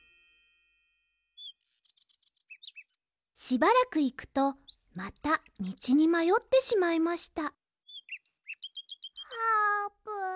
しばらくいくとまたみちにまよってしまいましたあーぷん。